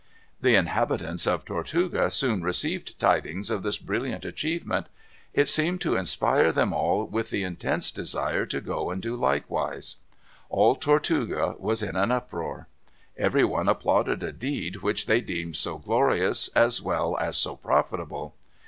The inhabitants of Tortuga soon received tidings of this brilliant achievement. It seemed to inspire them all with the intense desire to go and do likewise. All Tortuga was in an uproar. Every one applauded a deed which they deemed so glorious as well as so profitable.